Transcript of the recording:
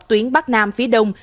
tuyến bắc nam phía đông